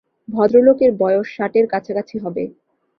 ভদ্রলোকের বয়স ষাটের কাছাকাছি হবে।